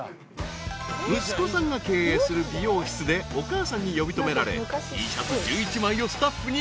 ［息子さんが経営する美容室でお母さんに呼び止められスタッフに］